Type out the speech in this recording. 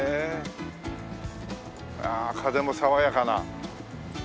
あ風も爽やかな。